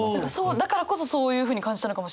だからこそそういうふうに感じたのかもしれないです。